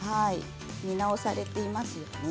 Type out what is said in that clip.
見直されていますよね。